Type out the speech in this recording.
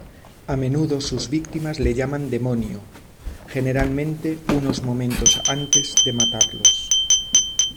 A menudo sus victimas le llaman "demonio", generalmente unos momentos antes de matarlos.